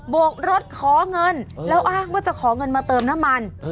วกรถขอเงินแล้วอ้างว่าจะขอเงินมาเติมน้ำมัน